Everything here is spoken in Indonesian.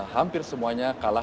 hampir semuanya kalah